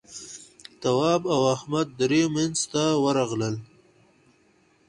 تواب او احمد درې مينځ ته ورغلل.